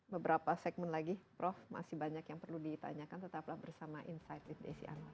beberapa segmen lagi prof masih banyak yang perlu ditanyakan tetaplah bersama insight with desi anwar